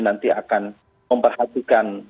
nanti akan memperhatikan